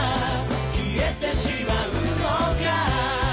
「消えてしまうのかい」